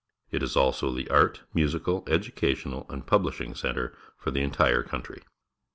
It is also the art, musical, educational, and publishing centre for the entire country.